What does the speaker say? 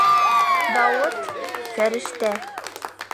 Дауыт - фәрештә.